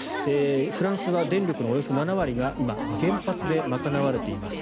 フランスは電力のおよそ７割が今、原発で賄われています。